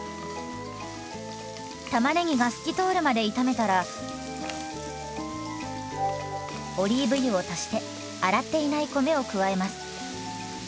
たまねぎが透き通るまで炒めたらオリーブ油を足して洗っていない米を加えます。